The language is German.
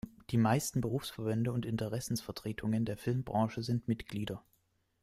Die meisten Berufsverbände und Interessensvertretungen der Filmbranche sind Mitglieder.